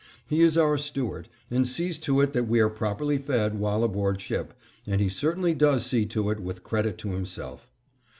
He is our steward, and sees to it that we are properly fed while aboard ship, and he certainly does see to it with credit to himself.